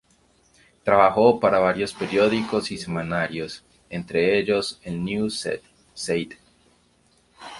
Trabajó para varios periódicos y semanarios, entre ellos el "Neue Zeit".